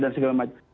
dan segala macam